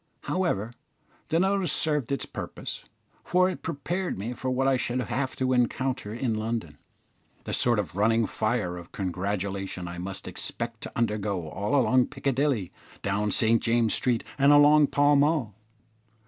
However, the notice served its purpose, for it prepared me for what I should have to encounter in London the sort of running fire of congratulation I must expect to undergo all along Piccadilly, down St James's Street, and along Pall Mall.